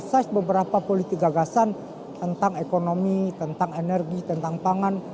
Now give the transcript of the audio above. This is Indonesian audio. saya beberapa politik gagasan tentang ekonomi tentang energi tentang pangan